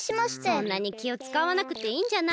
そんなにきをつかわなくていいんじゃない？